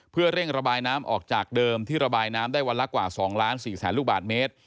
เพื่อเร่งระบายน้ำออกจากเดิมที่ระบายน้ำได้วันละกว่า๒ล้าน๔แสนลูกบาทเมตร